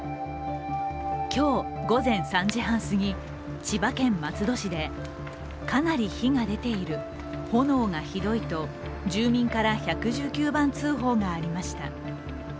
今日午前３時半過ぎ、千葉県松戸市でかなり火が出ている、炎がひどいと住民から１１９番通報がありました。